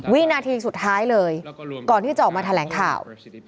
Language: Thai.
วินาทีสุดท้ายเลยก่อนที่จะออกมาแถลงข่าว